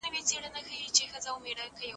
د وینې سرطان د ورزش له امله کمېږي.